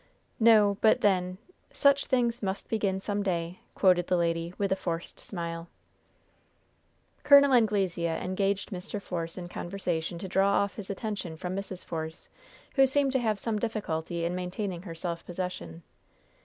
"No, but then "'Such things must begin, some day,'" quoted the lady, with a forced smile. Col. Anglesea engaged Mr. Force in conversation to draw off his attention from Mrs. Force, who seemed to have some difficulty in maintaining her self possession.